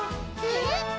えっ？